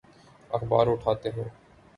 اخبار اٹھاتے ہیں۔